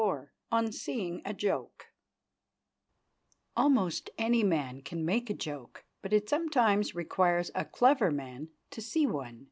XXIV ON SEEING A JOKE Almost any man can make a joke, but it sometimes requires a clever man to see one.